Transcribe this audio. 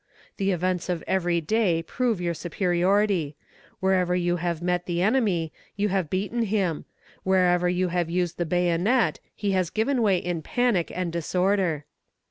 The events of every day prove your superiority; wherever you have met the enemy, you have beaten him; wherever you have used the bayonet, he has given way in panic and disorder.